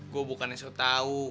gue bukannya sok tau